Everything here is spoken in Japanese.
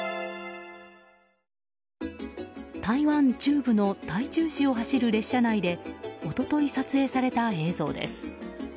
台湾中部の台中市を走る列車内で一昨日、撮影された映像です。